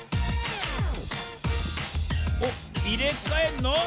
おっいれかえんの？